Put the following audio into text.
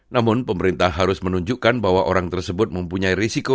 namun pemerintah harus menunjukkan bahwa orang tersebut mempunyai risiko